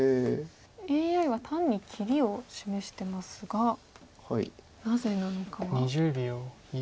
ＡＩは単に切りを示してますがなぜなのかは。